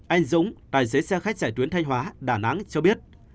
anh dũng tài xế xe khách giải tuyến thanh hóa đà nẵng cho biết